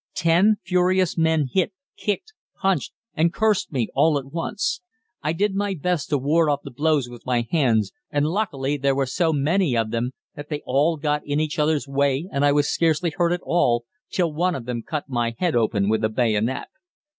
Ten furious men hit, kicked, punched, and cursed me all at once. I did my best to ward off the blows with my hands, and luckily there were so many of them that they all got in each other's way and I was scarcely hurt at all till one of them cut my head open with a bayonet.